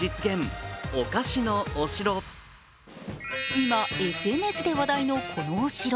今、ＳＮＳで話題のこのお城。